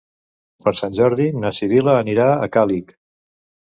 Per Sant Jordi na Sibil·la anirà a Càlig.